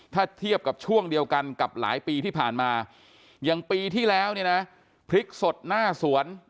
ถ้าเทียบกับช่วงเดียวกันกับหลายปีที่ผ่านมาอย่างปีที่แล้วเนี่ยนะพริกสดหน้าสวน